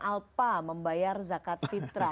alpa membayar zakat fitrah